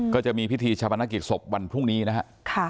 ก็จะมีพิธีชาปนกิจศพวันพรุ่งนี้นะฮะ